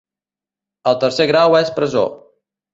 El tercer grau és presó.